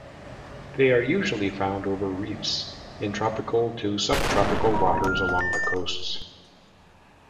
They are usually found over reefs, in tropical to subtropical waters along the coasts.